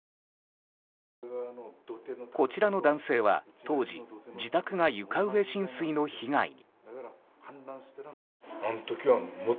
こちらの男性は当時、自宅が床上浸水の被害に。